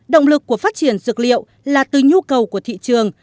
động lực của phát triển dược liệu là từ nhu cầu của thị trường